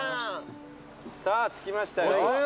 さあ着きましたよ。